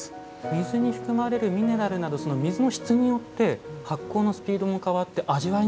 水に含まれるミネラルなどその水の質によって発酵のスピードも変わって味わいにも影響してくるんですか？